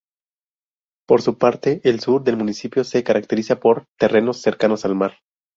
Por su parte, el sur del municipio se caracteriza por terrenos cercanos al mar.